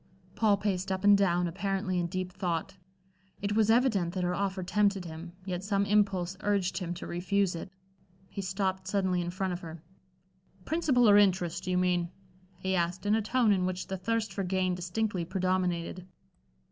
Paul paced up and down, apparently in deep thought. It was evident that her offer tempted him, yet some impulse urged him to refuse it. He stopped suddenly in front of her. "Principal or interest, do you mean?" he asked, in a tone in which the thirst for gain distinctly predominated.